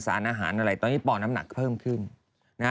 สารอาหารอะไรตอนนี้ปอน้ำหนักเพิ่มขึ้นนะฮะ